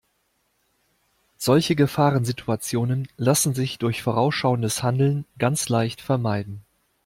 Solche Gefahrensituationen lassen sich durch vorausschauendes Handeln ganz leicht vermeiden.